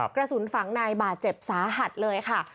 กระสุนฝังในบาดเจ็บสาหัสเลยค่ะ